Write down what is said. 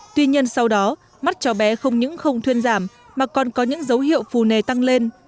tuy nhiên sau đó mắt cháu bé không những không thuyên giảm mà còn có những dấu hiệu phù nề tăng lên